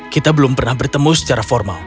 kita belum pernah bertemu secara formal